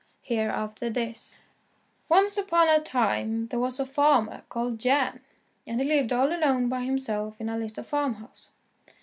Hereafterthis Once upon a time there was a farmer called Jan, and he lived all alone by himself in a little farmhouse.